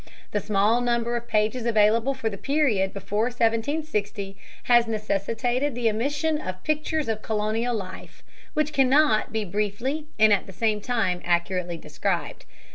The small number of pages available for the period before 1760 has necessitated the omission of "pictures of colonial life," which cannot be briefly and at the same time accurately described.